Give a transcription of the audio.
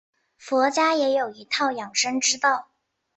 佛家也有一套养生之道。